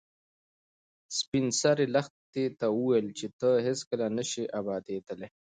سپین سرې لښتې ته وویل چې ته هیڅکله نه شې ابادېدلی.